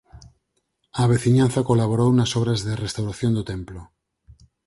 A veciñanza colaborou nas obras de restauración do templo.